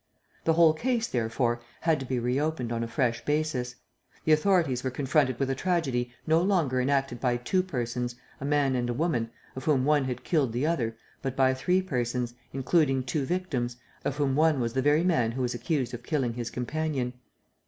The whole case, therefore, had to be reopened on a fresh basis. The authorities were confronted with a tragedy no longer enacted by two persons, a man and a woman, of whom one had killed the other, but by three persons, including two victims, of whom one was the very man who was accused of killing his companion.